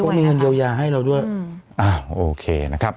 เขาก็มีเงินเดียวยาให้เราด้วยโอเคนะครับ